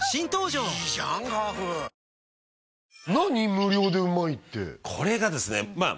無料で旨いってこれがですね